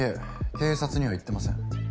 警察には行ってません。